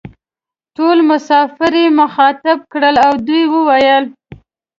ټول مسافر یې مخاطب کړل او وې ویل: